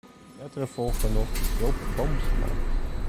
Letter folge noch Joop Boomsma.